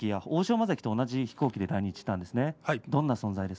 馬関と同じ飛行機で来日したんですね。